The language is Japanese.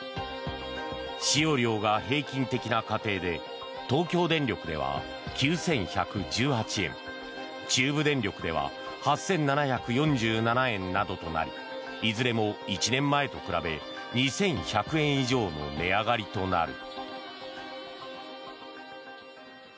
使用量が平均的な家庭で東京電力では９１１８円中部電力では８７４７円などとなりいずれも１年前と比べ２１００円以上の値上がりとなる。